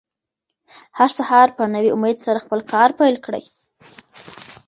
هر سهار په نوي امېد سره خپل کار پیل کړئ.